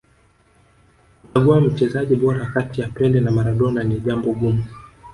kuchagua mchezaji bora kati ya pele na maradona ni jambo gumu